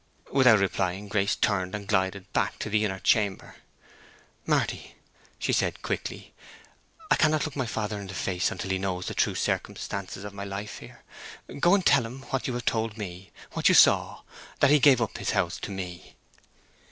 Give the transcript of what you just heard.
Without replying, Grace turned and glided back to the inner chamber. "Marty," she said, quickly, "I cannot look my father in the face until he knows the true circumstances of my life here. Go and tell him—what you have told me—what you saw—that he gave up his house to me."